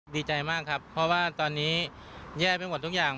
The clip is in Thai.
ดีใจมากครับเพราะว่าตอนนี้แย่ไปหมดทุกอย่าง